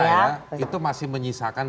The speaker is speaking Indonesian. ini menurut saya itu masih menyisakan